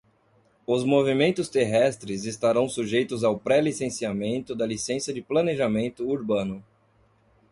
Os movimentos terrestres estarão sujeitos ao pré-licenciamento da licença de planejamento urbano.